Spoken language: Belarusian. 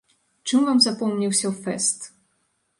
Чым вам запомніўся фэст?